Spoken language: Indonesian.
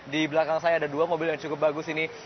di belakang saya ada dua mobil yang cukup bagus ini